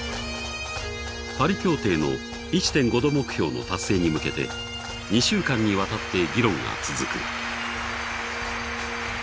パリ協定の１．５℃目標の達成に向けて２週間にわたって議論が続く。